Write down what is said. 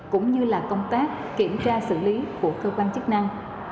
cũng như là công tác kiểm tra xử lý của cơ quan chức năng